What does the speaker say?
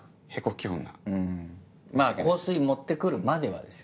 香水持って来るまではですよ。